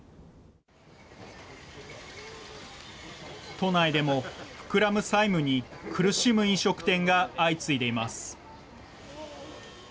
都内でも膨らむ債務に苦しむ飲食店が相次いでいます。